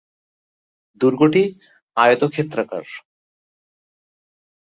দুর্গটি আয়তক্ষেত্রাকার।